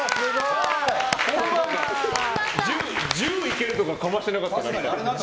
１０いけるとかかましてなかった？